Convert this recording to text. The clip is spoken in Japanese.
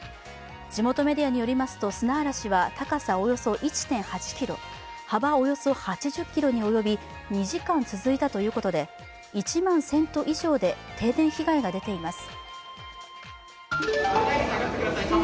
地元メディアによりますと砂嵐は高さおよそ１．８ｋｍ幅およそ８０ｋｍに及び、２時間続いたということで、１万１０００戸以上で停電被害が出ています。